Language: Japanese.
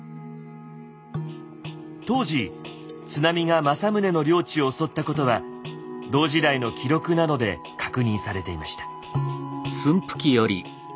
当時津波が政宗の領地を襲ったことは同時代の記録などで確認されていました。